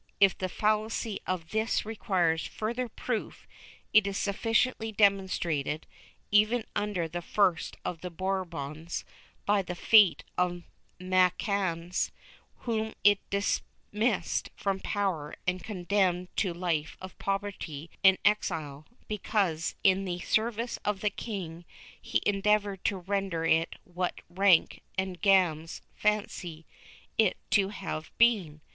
If the fallacy of this requires further proof it is sufficiently demonstrated, even under the first of the Bourbons, by the fate of Macanaz, whom it dismissed from power and condemned to a life of poverty and exile because, in the service of the king, he endeavored to render it what Ranke and Gams fancy it to have been.